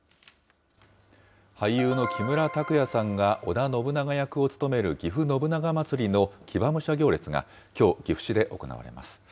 俳優の木村拓哉さんが織田信長役を務めるぎふ信長まつりの騎馬武者行列がきょう、岐阜市で行われます。